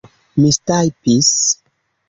mistajpis